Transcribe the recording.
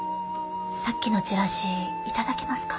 さっきのチラシ頂けますか？